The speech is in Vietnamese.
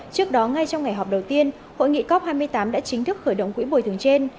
trước đó ngay trong ngày họp đầu tiên hội nghị cop hai mươi tám đã chính thức khởi động quỹ bồi thường trên